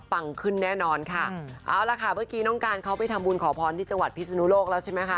ฟังขึ้นแน่นอนค่ะเอาละค่ะเมื่อกี้น้องการเขาไปทำบุญขอพรที่จังหวัดพิศนุโลกแล้วใช่ไหมคะ